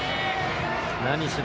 何しろ